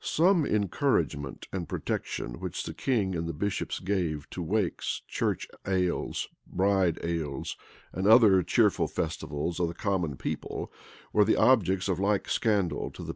Some encouragement and protection which the king and the bishops gave to wakes, church ales, bride ales, and other cheerful festivals of the common people, were the objects of like scandal to the Puritans.